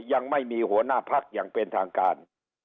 ยังไม่มีหัวหน้าพักอย่างเป็นทางการ